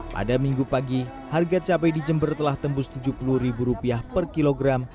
pada minggu pagi harga cabai di jember telah tembus rp tujuh puluh per kilogram